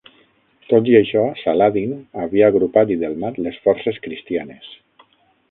Tot i això, Saladin havia agrupat i delmat les forces cristianes.